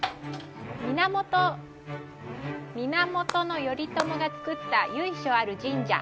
源頼朝が造った由緒ある神社。